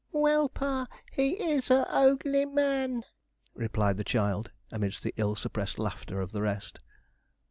'Well, pa, he is a ogl e y man,' replied the child, amid the ill suppressed laughter of the rest.